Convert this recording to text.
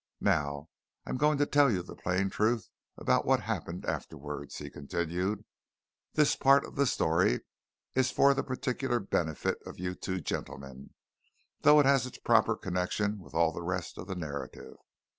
"Now, I'm going to tell you the plain truth about what happened afterwards," he continued. "This part of the story is for the particular benefit of you two gentlemen, though it has its proper connection with all the rest of the narrative.